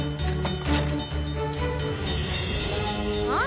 あっ。